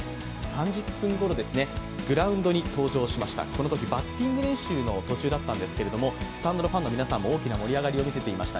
このときバッティング練習の途中だったんですけどスタンドのファンの皆さんも大きな盛り上がりを見せていました。